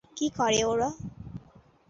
কী করে ওরা?